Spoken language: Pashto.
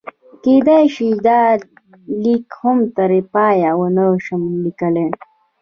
کېدای شي دا لیک هم تر پایه ونه شم لیکلی.